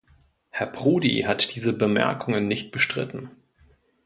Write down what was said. Herr Prodi hat diese Bemerkungen nicht bestritten.